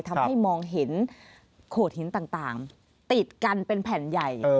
ทำให้มองเห็นโขดหินต่างติดกันเป็นแผ่นใหญ่